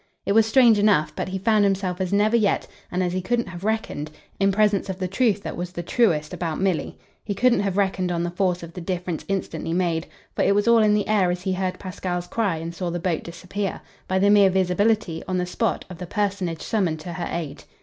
It was strange enough, but he found himself as never yet, and as he couldn't have reckoned, in presence of the truth that was the truest about Milly. He couldn't have reckoned on the force of the difference instantly made for it was all in the air as he heard Pasquale's cry and saw the boat disappear by the mere visibility, on the spot, of the personage summoned to her aid.